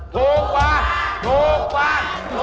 ถูกกว่า